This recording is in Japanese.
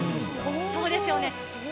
そうですよね。